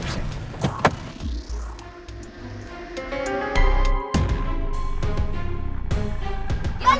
balikin balikin balikin